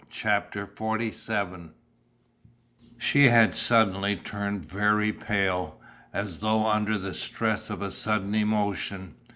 CHAPTER XLVII She had suddenly turned very pale, as though under the stress of a sudden emotion.